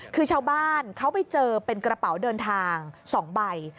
คือชาวบ้านเขาไปเจอเป็นกระเป๋าเดินทาง๒ใบ